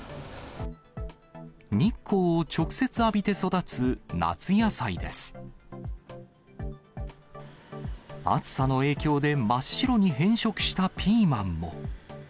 日光を直接浴びて育つ夏野菜暑さの影響で真っ白に変色したピーマンも。